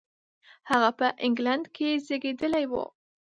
هغه په انګلېنډ کې زېږېدلی و.